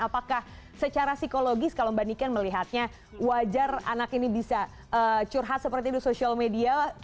apakah secara psikologis kalau mbak niken melihatnya wajar anak ini bisa curhat seperti itu social media